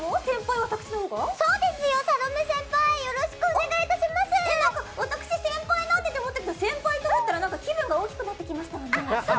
わたくし、先輩なんてって思ったけど先輩と思ったら気分が大きくなってきたわね。